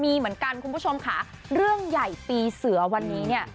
มีเหมือนกันคุณผู้ชมค่ะเรื่องใหญ่ปีเสือวันนี้เนี่ย